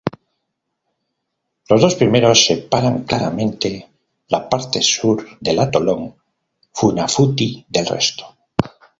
Los dos primeros separan claramente la parte sur del atolón Funafuti del resto.